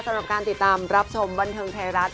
สำหรับการติดตามรับชมบันเทิงไทยรัฐ